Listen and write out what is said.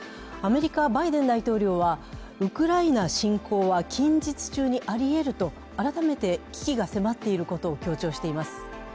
アメリカ・バイデン大統領はウクライナ侵攻は近日中にありえると改めて危機が迫っていることを強調しています。